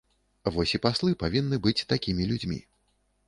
Вось і паслы павінны быць такімі людзьмі.